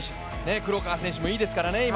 黒川選手もいいですからね、今。